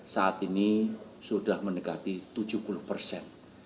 saat ini sudah mendekati tujuh puluh persen